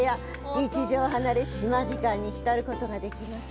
日常を離れ島時間に浸ることができます。